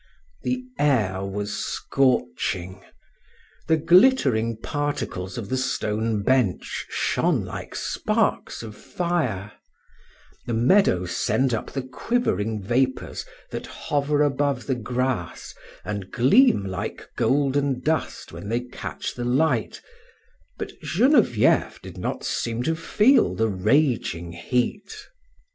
The air was scorching. The glittering particles of the stone bench shone like sparks of fire; the meadow sent up the quivering vapors that hover above the grass and gleam like golden dust when they catch the light, but Genevieve did not seem to feel the raging heat.